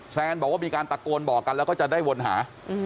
แซนบอกว่ามีการตะโกนบอกกันแล้วก็จะได้วนหา